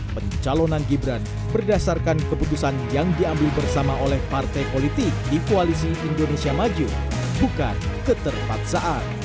pencalonan gibran berdasarkan keputusan yang diambil bersama oleh partai politik di koalisi indonesia maju bukan keterpaksaan